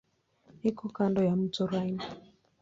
Iko kando ya mto Rhine.